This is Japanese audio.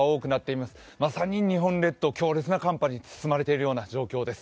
まさに日本列島、強烈な寒波に包まれているような状況です。